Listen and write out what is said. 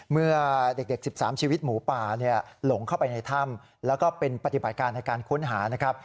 เมื่อเด็ก๑๓ชีวิตหมูป่าหลงเข้าไปในถ้ำแล้วก็เป็นปฏิบัติการในการค้นหานะครับ